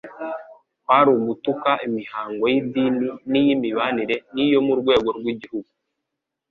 kwari ugutuka imihango y'idini n'iy'imibanire n'iyo mu rwego rw'igihugu.